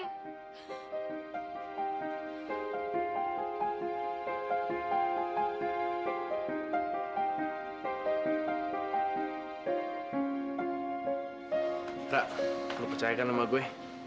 era lu percayakan sama gue